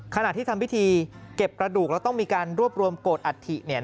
ขณะที่ทำพิธีเก็บกระดูกแล้วต้องมีการรวบรวมโกรธอัฐิเนี่ย